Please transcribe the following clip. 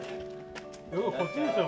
こっちでしょ？